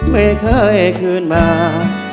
ไม่เคยคืนมา